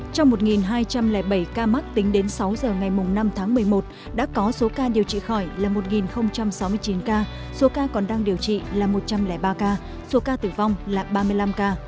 trong một hai trăm linh bảy ca mắc tính đến sáu giờ ngày năm tháng một mươi một đã có số ca điều trị khỏi là một sáu mươi chín ca số ca còn đang điều trị là một trăm linh ba ca số ca tử vong là ba mươi năm ca